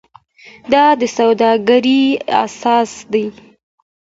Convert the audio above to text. دا د سوداګرۍ اساس دی.